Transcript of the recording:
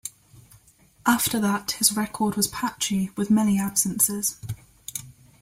After that his record was patchy, with many absences.